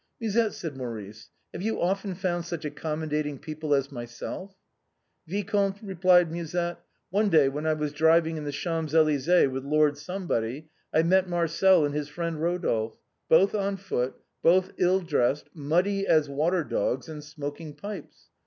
" Musette," said Maurice, " have you often found such accommodating people as myself ?"" Vicomte," replied Musette, " one day when I was driv ing in the Champs Elysées with Lord I met Marcel and his friend Eodolphe, both on foot, both ill dressed, muddy as water dogs, and smoking pipes.